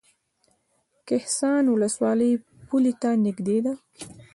کهسان ولسوالۍ پولې ته نږدې ده؟